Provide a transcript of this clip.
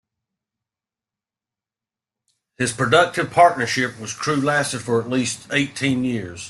His productive partnership with Crewe lasted for at least eighteen years.